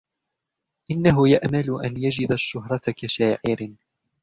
إنه يأمل أن يجد الشهرة كشاعر